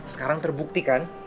sekarang terbukti kan